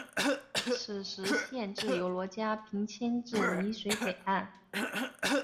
此时县治由罗家坪迁至洣水北岸。